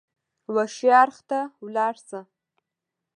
وښي اړخ ته ولاړ شه !